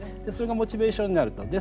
それがモチベーションになると。